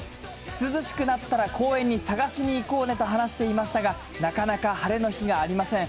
涼しくなったら公園に探しに行こうねと話していましたが、なかなか晴れの日がありません。